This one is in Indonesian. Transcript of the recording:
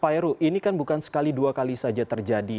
pak heru ini kan bukan sekali dua kali saja terjadi